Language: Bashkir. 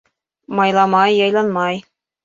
Майламай, яйланмай.